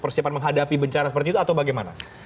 persiapan menghadapi bencana seperti itu atau bagaimana